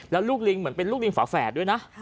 แล้วลูกลิงเหมือนเป็นลูกลิงฝาแฝดด้วยนะ